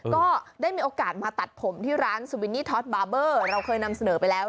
ก็ได้มีโอกาสมาตัดผมที่ร้านสวินนี่ท็อตบาร์เบอร์เราเคยนำเสนอไปแล้ว